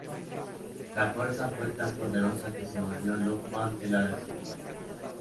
La fuerza fue tan poderosa que se volvió loco ante la destrucción.